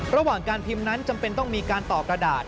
ระหว่างการพิมพ์นั้นจำเป็นต้องมีการต่อกระดาษ